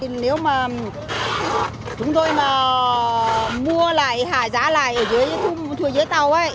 nếu mà chúng tôi mà mua lại hải giá lại ở dưới thùng dưới tàu ấy